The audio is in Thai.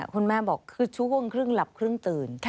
คุณแม่บอกคือช่วงครึ่งหลับครึ่งตื่น